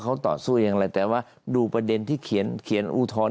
เขาต่อสู้อย่างไรแต่ว่าดูประเด็นที่เขียนอุทธรณ์